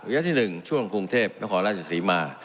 อย่างที่๑ช่วงกรุงเทพและของราชศรีมา